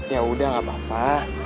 yaudah gak apa apa